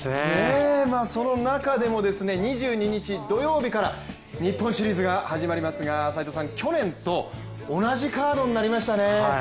その中でも２２日土曜日から日本シリーズが始まりますが去年と同じカードになりましたね。